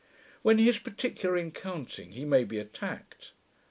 When he is particular in counting, he may be attacked.